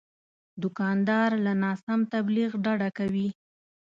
دوکاندار له ناسم تبلیغ ډډه کوي.